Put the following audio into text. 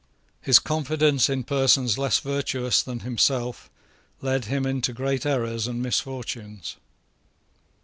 His confidence in persons less virtuous than himself led him into great errors and misfortunes.